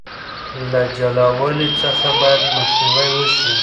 له جلاوالي څخه بايد مخنيوي وشي.